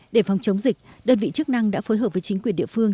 để phòng chống dịch đơn vị chức năng đã phối hợp với chính quyền địa phương